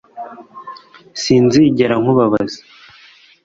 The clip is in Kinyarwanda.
s sinzigera nkubabaza